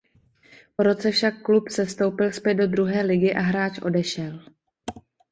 Po roce však klub sestoupil zpět do druhé ligy a hráč odešel.